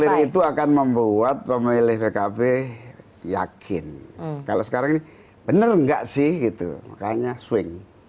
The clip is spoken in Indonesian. clear itu akan membuat pemilih pkb yakin kalau sekarang ini bener nggak sih gitu makanya swing